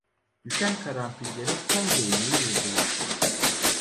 Düşen karanfillere son değneği vurdular…